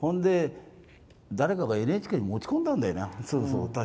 誰かがＮＨＫに持ち込んだんだよな。